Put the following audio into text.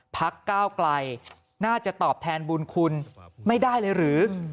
พักก้าวไกลน่าจะตอบแทนบุญคุณไม่ได้เลยหรือ